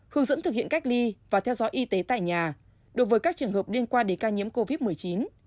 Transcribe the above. hướng dẫn thực hiện cách ly và theo dõi y tế tại nhà đối với các trường hợp liên quan đến ca nhiễm covid một mươi chín